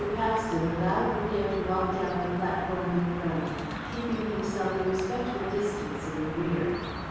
Paxton allowed the pair to walk down the platform in front, keeping himself a respectful distance in the rear.